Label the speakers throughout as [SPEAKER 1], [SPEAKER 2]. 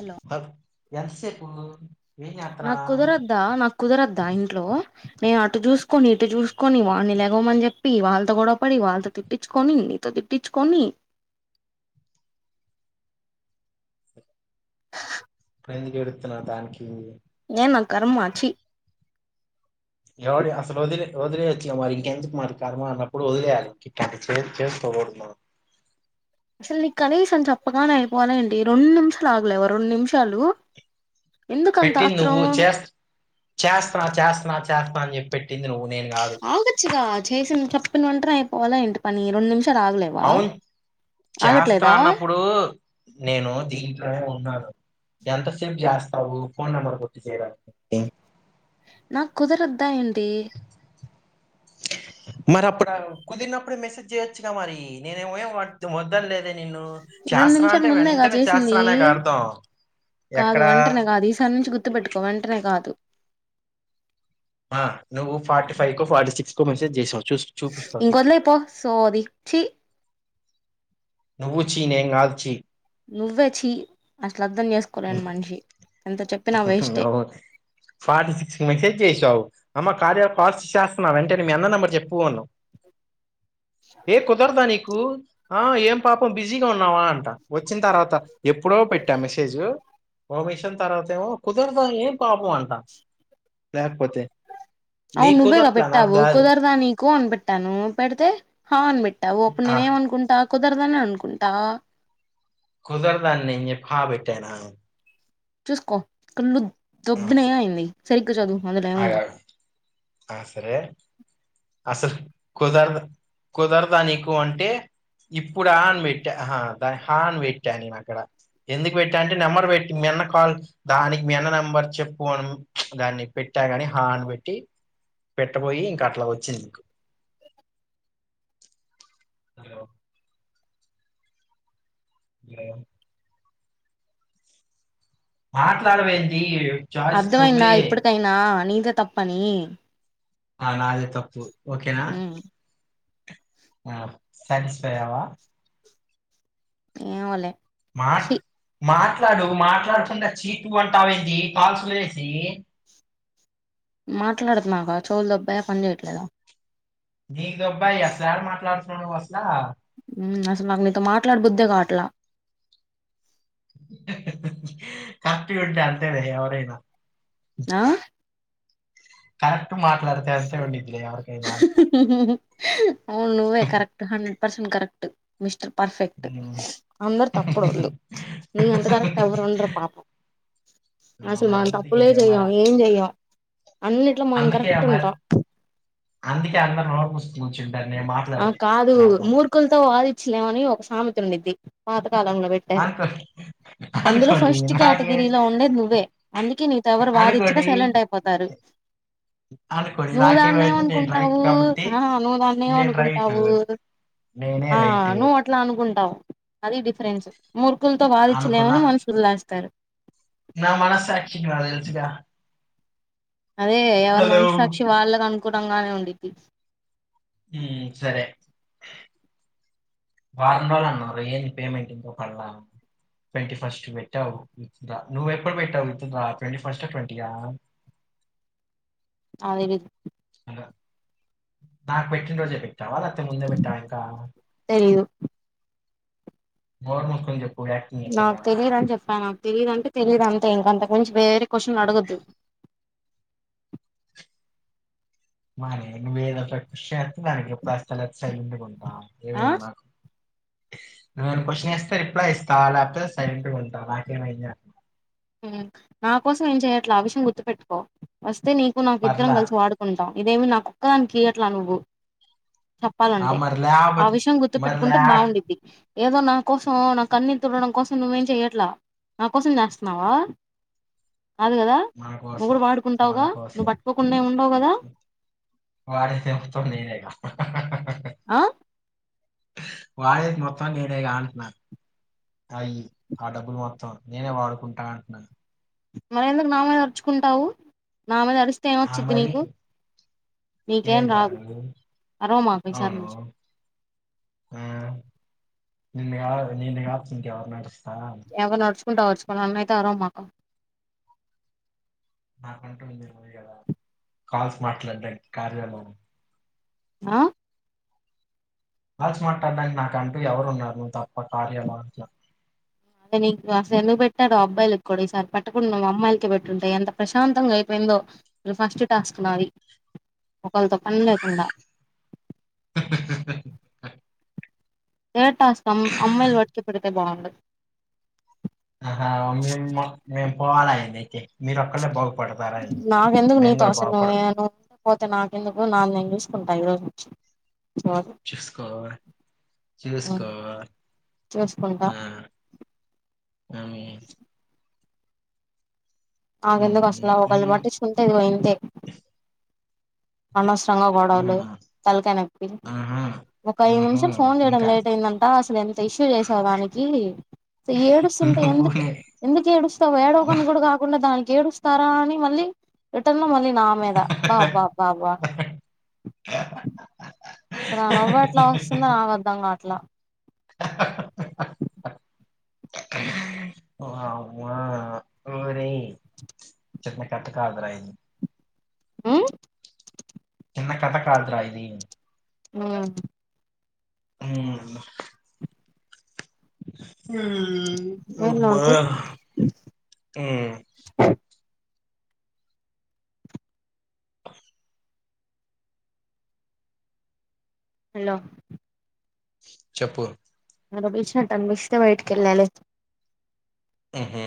[SPEAKER 1] Hello
[SPEAKER 2] కద్ ఎంత సేపు
[SPEAKER 1] నా కుదరద్దా నాకు కుదరద్దా ఇంట్లో నేను అటు జూస్ సుకొని ఇటు చూసుకొని వాడిని లేెగమని చెప్పి వాళ్ళతో గొడపడి వాళ్ళతో తిట్టిచ్చుకొని నీతో తిట్టిచ్చుకొని
[SPEAKER 2] ఇప్పుడు ఎందుకు ఏడుతున్నావ్ దానికి
[SPEAKER 1] ఏ నా కర్మా చి
[SPEAKER 2] ఎవడె అసలు వదిలే వదిలేయొచ్చుగా మరి ఇంకెందుకు మరి కర్మ అన్నప్పుడు వదిలేయాలి [unintelligible] కూర్మా
[SPEAKER 1] మళ్లీ కనీసం చెప్పగానే ఎళ్లిపోవాల ఏంటి రెండు నిమిషాలు ఆగలేవా రెండు నిమిషాలు ఎందుకంత
[SPEAKER 2] పెట్టింది
[SPEAKER 1] ఆత్రం
[SPEAKER 2] నువ్వు చేస్ చేస్తున్నా చేస్తన్నా చేస్తన్నా అని జెప్పి పెట్టింది నువ్వు నేను కాదు
[SPEAKER 1] ఆగొచ్చుగా చేసిన చెప్పిన వెంటనే అయిపోవాలా ఏంటి పని రెండు నిమిషాలు ఆగలేవా
[SPEAKER 2] చేస్తాన్న
[SPEAKER 1] ఆగట్లేదా
[SPEAKER 2] అన్నప్పుడు నేను దీంట్లోనే ఉన్నాను ఎంత సేపు జేస్తావు ఫోన్ నంబర్ కొట్టి చేయడానికి
[SPEAKER 1] నాక్ కుదరద్దా ఏంది
[SPEAKER 2] మరి అప్పుడు కుదిరినప్పుడే మెసేజ్ చేయొచ్చుగా మరి నేనేమమి వద్దన లేదె నేను
[SPEAKER 1] రెండు
[SPEAKER 2] చేస్తన్న
[SPEAKER 1] నిమిషాల
[SPEAKER 2] అంటే
[SPEAKER 1] ముందేగా
[SPEAKER 2] వెంటనే
[SPEAKER 1] చేసింది
[SPEAKER 2] చేస్త్ర అనేక అర్దం
[SPEAKER 1] కాదు వెంటనే కాదు ఈసారి నుంచి గుర్తుపెట్టుకో వెంటనే కాదు
[SPEAKER 2] మా నువ్వు ఫార్టీ ఫైవ్ కొ ఫార్టీ సిక్స్ కో మెసేజ్ జేసావ్
[SPEAKER 1] ఇంకవొదిలేయ్ పో సోది చీ
[SPEAKER 2] నువ్వు ఛీ నేను గాదు ఛీ
[SPEAKER 1] నువ్వే ఛీ అసలు అర్దం చేసుకోలేని మనిషి ఎంత చెప్పినా వేస్టే
[SPEAKER 2] ఓ ఫార్టీ సిక్సి మెసజ్ చేసావ్ అమ్మ కార్యా చేస్తన్నా అంటే మీ అన్న నంబర్ చెప్పుు అన్నావ్ ఎ కుదరదా నీ కు ఆ ఏం పాపం బిజీగా ఉన్నావా అంట వచ్చిన తర్వాత ఎప్పుడో పెట్టా మెసేజ్ ఓమెషన్ తర్వాతెమో కుదరదా ఏం పాపం అంటా ల
[SPEAKER 1] అవును నువ్వేగా
[SPEAKER 2] నాకు
[SPEAKER 1] పెట్టావు
[SPEAKER 2] కాదు
[SPEAKER 1] కుదరదా నీకో అని పెట్టాను పెడితే హా అని పెట్టావు అప్పుడు
[SPEAKER 2] ఆ
[SPEAKER 1] నేనే అనుకుంటా కుదరదని అనుకుంటా
[SPEAKER 2] కుదరద ని చెప్పి హ పెట్టానా
[SPEAKER 1] చూసుకో కళ్లు
[SPEAKER 2] ఆ స
[SPEAKER 1] దొబ్బినాయ ఎంది సరిగ్గ జదూ అందులో ఏముందో
[SPEAKER 2] ఆగా- ఆ సరే అసలు కుదరదు కుదరద నికు అంటే ఇప్పుడు ఆ అని పెట్టా ఆహా దా హా అని పెట్టాను నేను అక్కడ ఎందుకు పెట్ట అంటే నెంబర్ పెట్టి మీ అన్న కాల్ దానికి మీన్న నెంబర్ చెప్పు అన్ దాన్ని పె పెట్టాగాని హా అని పెట్టి పెట్టబోయి ఇంక అట్లా వచ్చింది మీకు హలో [unintelligible] మాట్లాడవేంది
[SPEAKER 1] అర్ధమయిందా ఇప్పటికైనా నీదే తప్పని
[SPEAKER 2] ఆ నాదే తప్పు ఓకేనా
[SPEAKER 1] ఉమ్
[SPEAKER 2] ఆ సాటిస్ఫైయ్యవా
[SPEAKER 1] ఏమో లే
[SPEAKER 2] మాట్ మాట్ మాట్లాడు మాట్లాడుతుంట చీ తు అంటావేంది కాల్స్ లేసి
[SPEAKER 1] మాట్లాడుతున్నాగా చోవులు దొబ్బాయ పని చేయట్లేదా
[SPEAKER 2] నీకు దొబ్బాయ అసలాడ మాట్లాడుతున్నా నువ్వు అసలా
[SPEAKER 1] ఉమ్ అసలు నాకు నీతో మాట్లాడ బుద్దేగావాట్లా
[SPEAKER 2] కప్పిగా ఉంటే అంతేలే ఎవరైనా
[SPEAKER 1] ఆ
[SPEAKER 2] కరక్ అంటున్నా.
[SPEAKER 1] అవును నువ్వే కరెక్ట్ హన్ పర్సన్ కరెక్ట్ మిస్టర్ పర్ఫెక్ట్
[SPEAKER 2] హ్మ్.
[SPEAKER 1] అందరు తప్పుడోళ్ళు నీ అంత కరెక్ట్ ఎవరు ఉండరు పాపం
[SPEAKER 2] ఆ!
[SPEAKER 1] అసలు మనం
[SPEAKER 2] మరందుకే
[SPEAKER 1] తప్పులే
[SPEAKER 2] మర
[SPEAKER 1] చెయ్యం ఏం చెయ్యం అన్నిట్లో మనం కరె
[SPEAKER 2] అందుకే మరి అందుకే అందరు నోరుముసి కూర్చు
[SPEAKER 1] ఆ కాదు మూర్ఖులతో వాదిచ్చలేమని ఒక సామెత ఉండిద్ది పాత కాాలంలో పెట్టారు
[SPEAKER 2] అనుకో
[SPEAKER 1] అందులో
[SPEAKER 2] అనుకోండి
[SPEAKER 1] ఫస్ట్
[SPEAKER 2] నాకే
[SPEAKER 1] కేటగిరీలో ఉండేది నువ్వే అందుకే నీతో ఎవరు వాదించ్చకా
[SPEAKER 2] అనుకోండి
[SPEAKER 1] సైలెంట్ అయిపోతారు
[SPEAKER 2] అనుకోండి
[SPEAKER 1] నువ్
[SPEAKER 2] నాకేమైంది నేను
[SPEAKER 1] దాన్నేమనుకుంటావు
[SPEAKER 2] రైట్ కాబట్టి
[SPEAKER 1] ఆహ్ నువు దాన్నేమను
[SPEAKER 2] నేను రైటు.
[SPEAKER 1] కుంటావు
[SPEAKER 2] నేనే
[SPEAKER 1] ఆ
[SPEAKER 2] రైటు
[SPEAKER 1] నువ్వు అట్లా అనుకుంటావు అది డిఫరెన్స్ ముర్ తింతో
[SPEAKER 2] అనుకున్నా.
[SPEAKER 1] వాధించలేమని మనుషు లేస్తారు
[SPEAKER 2] నా మనస్సాక్షికి నాకు తెలుసుగా.
[SPEAKER 1] అదే ఎవరి
[SPEAKER 2] హలో!
[SPEAKER 1] మనసక్షి వాళ్ళకి అనుకోలంగానే ఉండిది
[SPEAKER 2] ఉం సరే వారం రోజు అన్నారు ఏది పేమెంట్ ఇంకా పడాల ట్వంటీ ఫస్ట్ పెట్టావు విత్ డ్రా నువ్వ ఎప్పుడు పెట్టావు withdraw twenty first twenty yeah
[SPEAKER 1] అది వి
[SPEAKER 2] అద నాకు పెట్టినరోజె పె ఎవరా అత్త ముందే పెట్టా వా ఇంకా
[SPEAKER 1] తెలీదు
[SPEAKER 2] నోరు ముసుకొని చెప్పు యాక్టింగ్
[SPEAKER 1] నాకు
[SPEAKER 2] లేకుండా
[SPEAKER 1] తెలియ దనిచెప్పాన తెలిదంటే తెలీయదు అంతే ఇంక అంతకు మించి వేరే క్వశ్చన్ అడగద్దు
[SPEAKER 2] [unintelligible] పర్ఫ్యూమ్
[SPEAKER 1] ఆ
[SPEAKER 2] నాక్ నేను కొశెన్ ఏస్తే రిప్లై ఇస్తా లేపోతే సైలెంట్ గా ఉంటా నాకే మయింది.
[SPEAKER 1] మ్ నా కోసం ఏం చెయ్యట్లే ఆ విషయం గుర్తుపెట్టుకో వస్ తే నీకు నాకు ఇద్దరం
[SPEAKER 2] పర్లా
[SPEAKER 1] కలిసి వాడుకుంటాం ఇదేమినాకు ఒక్కదానికి ఇయ్యట్లా నువ్వు
[SPEAKER 2] ఆ
[SPEAKER 1] చెప్పాలంటే
[SPEAKER 2] మరి
[SPEAKER 1] ఆ
[SPEAKER 2] లేకపోతే
[SPEAKER 1] విషయం గుర్తు
[SPEAKER 2] మరి
[SPEAKER 1] పెట్టుకుంటే
[SPEAKER 2] లే
[SPEAKER 1] బావుండుద్ది. ఏదో నా కోసం నా కన్నీల్ తుడవడం కోసం నువ్వేం చెయ్యట్లా నా కోసం చెేస్ ఉన్నావా? కాదు కదా
[SPEAKER 2] మన
[SPEAKER 1] నువ్వు
[SPEAKER 2] కోసం
[SPEAKER 1] కూడా
[SPEAKER 2] మన
[SPEAKER 1] వాడుకుంటావుగా నువ్వు పట్ట్కోకుండా ఏమి ఉండవు కదా?
[SPEAKER 2] వాడేసేత్తోడ్ నేనేగా
[SPEAKER 1] ఆ
[SPEAKER 2] వాడే మొత్తం నేనే గా అంటున్నా? అయ్ ఆ డబ్బులు మొత్తం నేనే వాడుకుంటా అట్నా?
[SPEAKER 1] మరి ఎందుకు నా మీద అరుచుకుంటావు నా మీద అరిస్తే ఏమి
[SPEAKER 2] ఆ
[SPEAKER 1] వచ్చిది
[SPEAKER 2] మరి
[SPEAKER 1] నీకు?
[SPEAKER 2] ఏం
[SPEAKER 1] నీకేం
[SPEAKER 2] కాదు
[SPEAKER 1] రాదు అరవ మాకు ఈసారి
[SPEAKER 2] అవును
[SPEAKER 1] నుంచి
[SPEAKER 2] ఆ నిన్ను కాదు నిన్ను కాకపోతే ఇంక ఎవరిని అరు
[SPEAKER 1] ఏవర్ని అర్చుకుంటావో అర్చుకో నన్నయితే అరవమాక
[SPEAKER 2] కరెంట్ ఉండేయ్యేది కదా కాల్స్ మాట్లాడ్డానికి కార్యము నువ్
[SPEAKER 1] ఆ
[SPEAKER 2] కాల్స్ మాట్లాడ్డానికి నాకు అంటూ ఎవరున్నారు నువ్వు తప్ప కార్యాలో అంట్నా
[SPEAKER 1] అదే నీకు అసలు ఎందుకుపెట్టారో అబ్బాయిలకి కూడా ఈసారి పెట్టకుండా నువ్ అమ్మాయిల పెట్టుంటే ఎంత ప్రశాంతంగా అయిపోయి దో ఫస్ట్ టాస్క్ నాది ఒకళ్తో పని లేకుండా
[SPEAKER 2] [unintelligible]
[SPEAKER 1] ఏ టాస్కు అమ్ అమ్మాయిలు పడితే బాగుండు
[SPEAKER 2] ఆహా మేము మేము పోవాల ఏంది అయితే మీరొక్కల్లే బాగు
[SPEAKER 1] నాకు ఎందుకు నీతో అవసరం నువ్వు ఏ పోతే నాకెందుకు నాది నేన్ చూస్కుంటా ఈ రోజ్ నుంచి చూడు
[SPEAKER 2] చూస్కో చూస్కో
[SPEAKER 1] చూస్కుంటా
[SPEAKER 2] మమ్మీ
[SPEAKER 1] నాకు ఎందుకు
[SPEAKER 2] ఉమ్
[SPEAKER 1] అసలా ఒకళ్ళు
[SPEAKER 2] ఉమ్
[SPEAKER 1] బట్టిచ్చికుంటే ఇదిగో ఇంతే అనస్
[SPEAKER 2] ఆ
[SPEAKER 1] గొడవలు తలకాయ నెప్పి
[SPEAKER 2] ఆహా
[SPEAKER 1] ఒక ఐదు
[SPEAKER 2] ఆహా
[SPEAKER 1] నిమిషాలు ఫోన్ చేయడం
[SPEAKER 2] ఇంకా
[SPEAKER 1] లేట్ అయిందంట అసలు ఎంత ఇష్యూ చేసావ్ దానికి ఏడు స్తుంటే ఎందుకు
[SPEAKER 2] నువ్వునే
[SPEAKER 1] ఎందుకు ఏడుస్తావ్ ఏడవకు అని కూడా కా దానికి ఏడుస్తారా అని మళ్ళీ రిటర్న్ లో మళ్ళీ నా మీద బా బా బా బా
[SPEAKER 2] [unintelligible]
[SPEAKER 1] సర ఆ నవ్వు ఎట్లా వస్తుందో నాకు అర్థం కావట్లా? [unintelligible]
[SPEAKER 2] అమ్మ ఓరేయ్ చిన్న కథ కాదురా ఇద్
[SPEAKER 1] హ్మ్
[SPEAKER 2] చిన్న కథ కాద్రా ఇది
[SPEAKER 1] ఉమ్
[SPEAKER 2] ఏం కాదులే
[SPEAKER 1] లైన్ లో
[SPEAKER 2] అబ్బా
[SPEAKER 1] ఉండు
[SPEAKER 2] మ్ [unintelligible]
[SPEAKER 1] హలో
[SPEAKER 2] చెప్పు
[SPEAKER 1] ఎవరో బిల్చినట్టన్పిస్తే బైట్కి వెళ్ళాలే.
[SPEAKER 2] ఊహు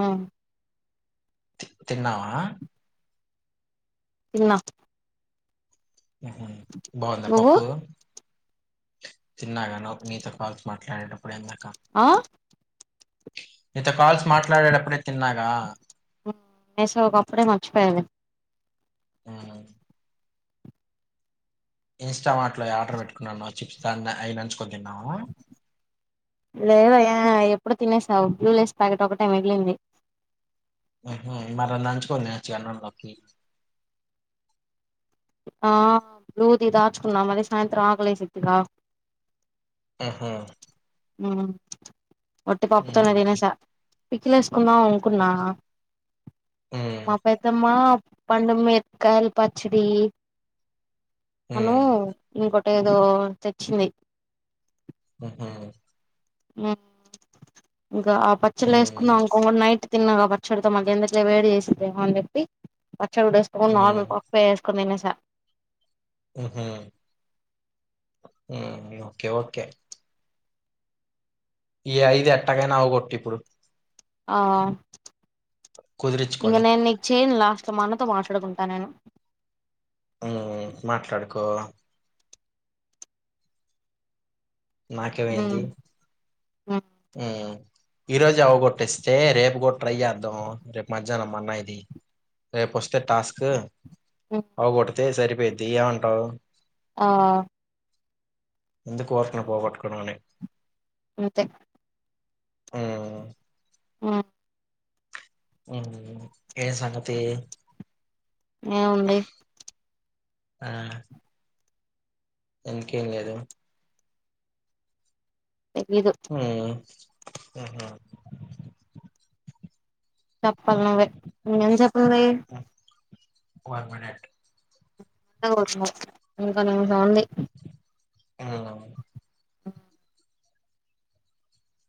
[SPEAKER 1] ఉమ్
[SPEAKER 2] త్ తిన్నావా?
[SPEAKER 1] తిన్నా
[SPEAKER 2] బాగుందా
[SPEAKER 1] నువ్వు
[SPEAKER 2] పప్పు తిన్నాగాని మీతో కాల్స్ మాట్లాడేటప్పుడే ఇందాక
[SPEAKER 1] ఆ
[SPEAKER 2] నీతో కాల్స్ మాట్లాడేటప్పుడే తిన్నాగా
[SPEAKER 1] సో ఒకప్పుడే మర్చిపోయాలే
[SPEAKER 2] ఉమ్ ఇన్స్టమార్ట్ లో ఆర్డర్ బెట్టుకున్నాను చిప్స్ అయి నల్చుకొని
[SPEAKER 1] లేదయ్యా ఎప్ ఎప్పుడు తినేసావు బ్లూ లేస్ ప్యాకెట్ ఒకటే మిగిలింది
[SPEAKER 2] హుహూ మరి నంచుకొని తినొచ్చుగా అన్నం లోకి
[SPEAKER 1] ఆ బ్లూది దాచుకున్నా మరి సాయంత్రం ఆకలేసిద్దిగా
[SPEAKER 2] ఉమ్
[SPEAKER 1] ఆ వట్టి పప్పు తోనే
[SPEAKER 2] హ్మ్.
[SPEAKER 1] తినేసా పికిల్ యేస్ కుందాం అనుకున్నా
[SPEAKER 2] హ్మ్.
[SPEAKER 1] మా పెద్దమ్మా పండు మిరపకాయల పచ్చడి అను
[SPEAKER 2] హ్మ్.
[SPEAKER 1] ఇంకో టేదో తెచ్చింది
[SPEAKER 2] ఉమ్ హు
[SPEAKER 1] ఉమ్ ఇంకా ఆ పచ్చళ్ళ వేసుకున్నా
[SPEAKER 2] హ్మ్.
[SPEAKER 1] అనుకో నైట్ తిన్నగా పచ్చడితో మళ్ళి ఎందుకులే వేడి చేసిందేమో అని చెప్పి పచ్చడి గూడా యేసుకోకుండా నార్మల్
[SPEAKER 2] హ్మ్.
[SPEAKER 1] పప్పే యేసుకొని తినేసా
[SPEAKER 2] ఉమ్ హూ ఉమ్ ఓకే ఓకే ఈ ఐదు ఎట్టాగైనా అవగొట్టు ఇప్పుడు
[SPEAKER 1] ఆ ఇంగ
[SPEAKER 2] కుదిరిచ్చుకొని.
[SPEAKER 1] నేను నీకు చెయ్యను లాస్ట్ మా అన్నతో మాట్లాడుకుంటా నేను
[SPEAKER 2] ఉమ్ మాట్లాడుకో నాకేమైంది ఉమ్ ఈ రోజేె అవ్వ గొటేస్తే రేపు గూడా ట్రై జేద్దాం రేపు మధ్యాహ్నం మా అన్నయ్యది రేపొస్తే టాస్క్ అవ్వ గొడితే సరిపోయిద్ది ఏమంటావు
[SPEAKER 1] ఆ
[SPEAKER 2] ఎందుకు ఊరికినే పోగొట్టుకోవడం అని
[SPEAKER 1] అంతే
[SPEAKER 2] ఉమ్
[SPEAKER 1] ఉమ్
[SPEAKER 2] ఉమ్ ఏ సంగతీ
[SPEAKER 1] ఏం ఉంది
[SPEAKER 2] ఆ ఇంకేమ్ లేదు
[SPEAKER 1] తెలీదు
[SPEAKER 2] ఉమ్ హుహూ
[SPEAKER 1] చెప్పాలి నువ్వే ఇంగ ఎంతసేపుంది
[SPEAKER 2] వన్ మినేట్
[SPEAKER 1] అతున్నా ఇంకాాంది [unintelligible]
[SPEAKER 2] ఉమ్
[SPEAKER 1] ఆ [unintelligible]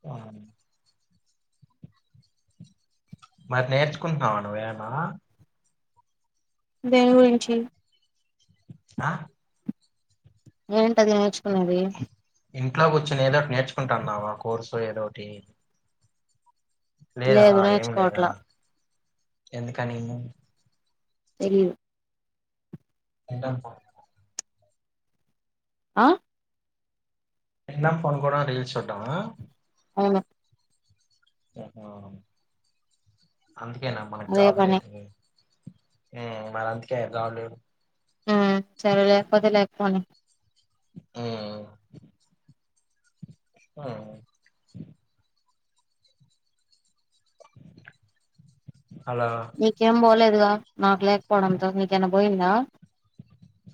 [SPEAKER 2] వహాన్ [unintelligible] మరి నేర్చుకుంటున్నావా నువ్వేనా
[SPEAKER 1] దేనిగురించి
[SPEAKER 2] ఆ
[SPEAKER 1] ఏంటది నేర్చుకునేదీ
[SPEAKER 2] ఇంట్లో కూర్చొని ఏదోటి నేర్చుకుంటున్నావా కోర్సో ఏదోటీ లేదా
[SPEAKER 1] లేదు
[SPEAKER 2] ఏం లేదా
[SPEAKER 1] నేర్చుకోవట్లా
[SPEAKER 2] ఎందుకనీ
[SPEAKER 1] తెలీదు
[SPEAKER 2] తిండం ఫోన్ చూడ్డం
[SPEAKER 1] ఆ
[SPEAKER 2] తిండం పడుకోవడం రీల్స్ చూడటమా
[SPEAKER 1] అవును
[SPEAKER 2] అహ అందుకేనా మనకు
[SPEAKER 1] అదే
[SPEAKER 2] జాబు
[SPEAKER 1] పని
[SPEAKER 2] లేదూ ఊ మరీ అందుకే జాబులేదు
[SPEAKER 1] ఆ సరేలే లేకపోతే లేకపోనీ
[SPEAKER 2] ఊ ఉ అలా
[SPEAKER 1] నీకేం పోలేదుగా నాకు లేకపోవడంతో నీకేమన్నా పోయిందా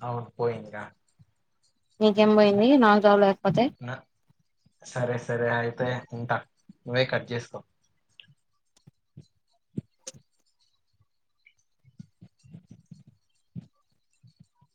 [SPEAKER 2] అవును పోయిందిగా
[SPEAKER 1] నీకేం పోయింది నాకు జాబ్ లే
[SPEAKER 2] నా సరే సరే అయితే ఉంటా నువ్వే కట్ చేసుకో